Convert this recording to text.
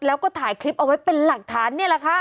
แล้วก็ถ่ายคลิปเอาไว้เป็นหลักฐานนี่แหละค่ะ